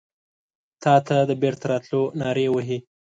تاته د بیرته راتلو نارې وهې